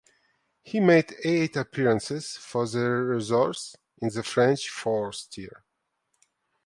He made eight appearances for the reserves in the French fourth tier.